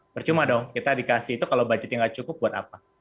percuma dong kita dikasih itu kalau budgetnya nggak cukup buat apa